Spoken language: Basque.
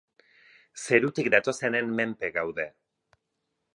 Zerutik datozenen menpe gaude.